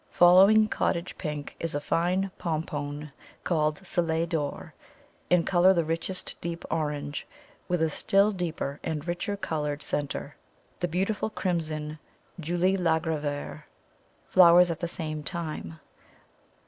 Following Cottage Pink is a fine pompone called Soleil d'Or, in colour the richest deep orange, with a still deeper and richer coloured centre. The beautiful crimson Julie Lagravère flowers at the same time.